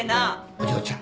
お嬢ちゃん